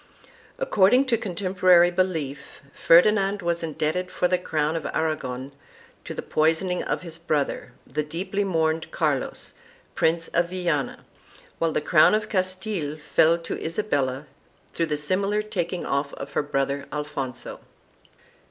According to contemporary belief, Ferdinand was indebted for the crown of Aragon to the poisoning of his brother, the deeply mourned Carlos, Prince of Viana, while the crown of Castile fell to Isabella through the similar taking off of her brother Alfonso.